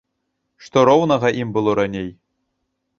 Што роўнага ім было раней?